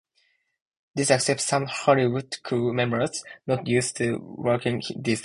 This upset some Hollywood crew members not used to working this way.